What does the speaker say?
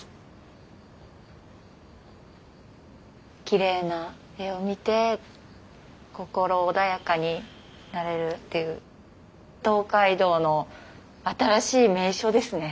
きれいな絵を見て心穏やかになれるっていう東海道の新しい名所ですね。